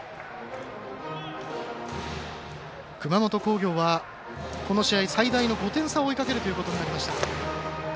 熊本工業は、この試合最大の５点差を追いかけるということになりました。